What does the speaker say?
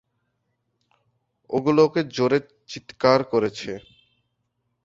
ওগুলো ওকে জোরে চিৎকার করছে।